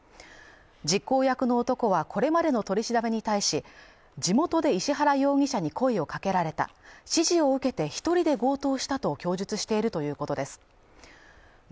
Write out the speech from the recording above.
実行役の男はこれまでの取り調べに対し、地元で石原容疑者に声をかけられた指示を受けて１人で強盗したと供述しているということです。